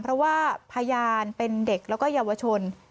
เพราะว่าพยานเป็นเด็กแล้วก็เยาวชน